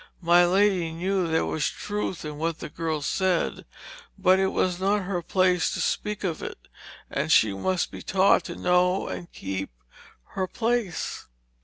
My lady knew there was truth in what the girl said, but it was not her place to speak of it, and she must be taught to know and keep her place.